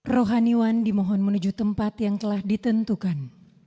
rohaniwan dimohon menuju tempat yang telah ditentukan